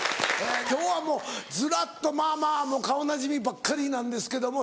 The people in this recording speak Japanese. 今日はもうずらっとまぁまぁ顔なじみばっかりなんですけども。